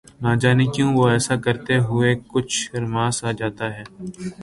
نہ جانے کیوں وہ ایسا کرتے ہوئے کچھ شرماسا جاتے ہیں